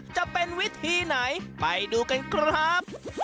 จะเป็นวิธีไหนไปดูกันครับ